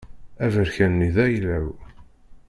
Aberkan-nni d ayla-w.